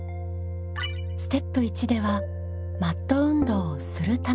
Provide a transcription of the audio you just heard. ステップ１ではマット運動を「する」